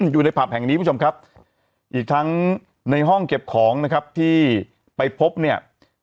อยู่ในผับแห่งนี้คุณผู้ชมครับอีกทั้งในห้องเก็บของนะครับที่ไปพบเนี่ย